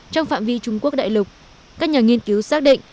trong phạm vi trung quốc đại lục các nhà nghiên cứu xác định